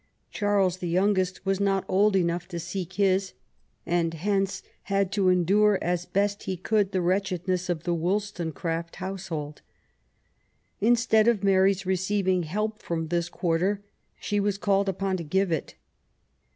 Charles, the youngest^ was not old enough to seek his, and hence had to endure as best he could the wretchedness of the Wollstonecraft household. Instead of Mary's receiving help from this quarter, she was called upon to give it.